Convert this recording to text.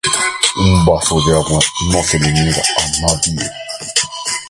Un vaso de agua no se le niega a nadie.